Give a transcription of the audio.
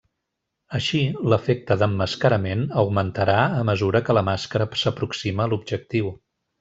Així, l’efecte d’emmascarament augmentarà a mesura que la màscara s’aproxima a l’objectiu.